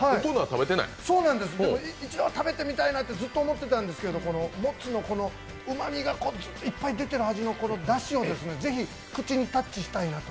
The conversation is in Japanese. でも、一度は食べてみたいなとずっと思っていたんですけど、もつのうまみがいっぱい出てるこの味のだしをぜひ、口にタッチしたいなと。